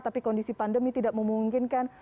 tapi kondisi pandemi tidak memungkinkan